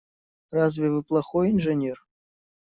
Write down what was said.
Разве вы плохой инженер?